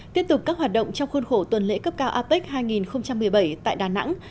tiếp tục các hoạt động trong khuôn khổ tuần lễ cấp cao apec hai nghìn một mươi bảy tại đà nẵng